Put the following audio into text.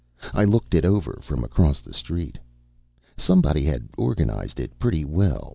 I looked it over from across the street. Somebody had organized it pretty well.